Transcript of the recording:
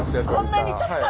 こんなにたくさん！